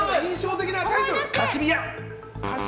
カシミヤ！